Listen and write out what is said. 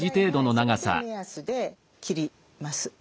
それで目安で切ります。